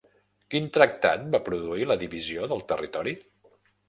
Quin tractat va produir la divisió del territori?